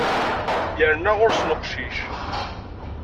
Yerna ɣur-sen uqcic.